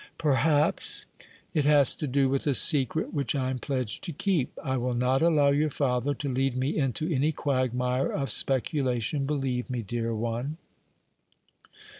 "Perhaps; it has to do with a secret which I am pledged to keep. I will not allow your father to lead me into any quagmire of speculation, believe me, dear one."